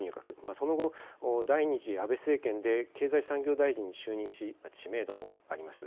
その後、第２次安倍政権で経済産業大臣に就任し、知名度もあります。